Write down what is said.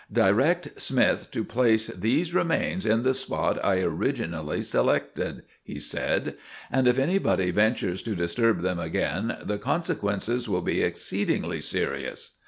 "Direct Smith to place these remains in the spot I originally selected," he said; "and if anybody ventures to disturb them again the consequences will be exceedingly serious.